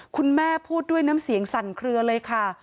คุณแม่พูดด้วยน้ำเสียงสั่นเคลือเลยค่ะ